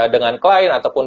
dengan klien ataupun